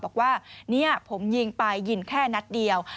บอกว่าเนี่ยผมยิงไปยิงแค่นัดเดียว